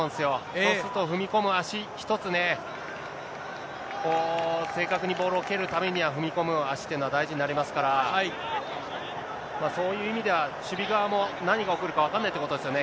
そうすると踏み込む足、一つね、正確にボールを蹴るためには、踏み込む足というのは、大事になりますから、そういう意味では、守備側も何が起こるか分からないってことですよね。